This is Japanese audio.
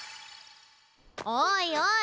おいおい！